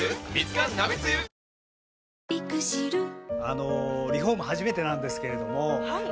あのリフォーム初めてなんですけれどもはい。